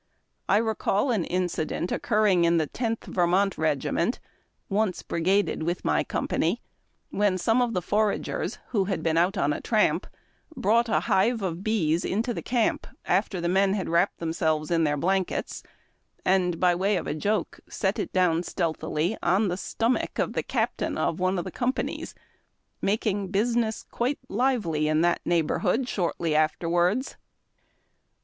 I recall an incident oc curring in the Tenth Ver mont Regiment — once bri gaded with my company — when some of the foragers, who had been out on a tramp, brought a hive of bees into camp, after the men had wrapped them selves in their blankets, and, by way of a joke, set it down stealthily on the stomach of the captain of one of the companies, making business quite lively in that neighborhood shortly afterwards.